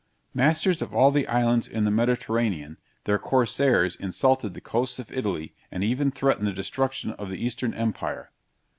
Masters of all the islands in the Mediterranean, their corsairs insulted the coasts of Italy, and even threatened the destruction of the Eastern empire.